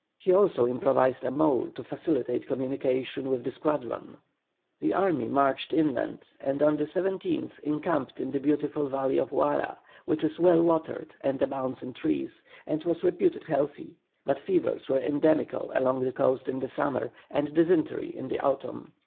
He also improvised a mole to facilitate communication with the squadron. The army marched inland, and on the 17th encamped in the beautiful valley of Huara, which is well watered, and abounds in trees, and was reputed healthy; but fevers are endemical along the coast in the summer, and dysentery in the autumn.